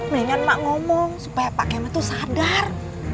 mendingan ma ngomong supaya pak kemet tuh sadar